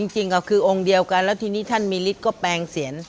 จริงก็คือองค์เดียวกันแล้วทีนี้ท่านมีฤทธิ์ก็แปลงเสียน